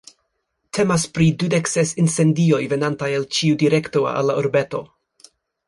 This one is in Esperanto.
Temas pri dudek ses incendioj venantaj el ĉiu direkto al la urbeto.